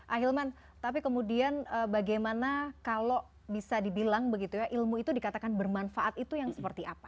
ahilman tapi kemudian bagaimana kalau bisa dibilang begitu ya ilmu itu dikatakan bermanfaat itu yang seperti apa